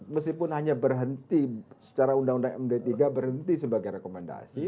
meskipun hanya berhenti secara undang undang md tiga berhenti sebagai rekomendasi